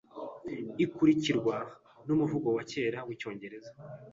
ikurikirwa numuvugo wa kera wicyongereza